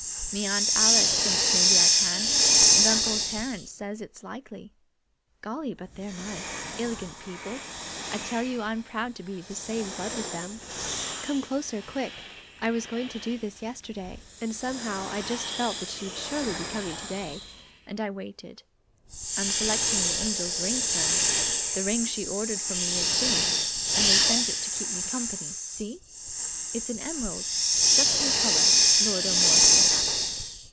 Me Aunt Alice thinks maybe I can, and Uncle Terence says it's likely. Golly, but they're nice, ilegant people. I tell you I'm proud to be same blood with them! Come closer, quick! I was going to do this yesterday, and somehow I just felt that you'd surely be coming today and I waited. I'm selecting the Angel's ring stone. The ring she ordered for me is finished and they sent it to keep me company. See? It's an emerald just me color, Lord O'More says."